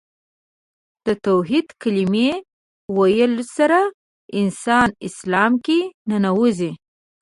د توحید کلمې ویلو سره انسان اسلام کې ننوځي .